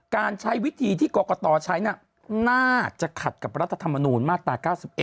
การใช้วิธีที่กรกตใช้น่าจะขัดกับรัฐธรรมนูญมาตรา๙๑